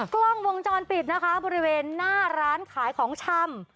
กล้องวงจรปิดนะคะบริเวณหน้าร้านขายของชำ